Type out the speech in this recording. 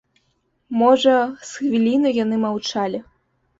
Можа, з хвіліну яны маўчалі.